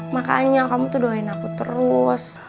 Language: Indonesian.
makanya kamu tuh doain aku terus